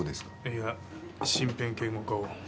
いや身辺警護課を。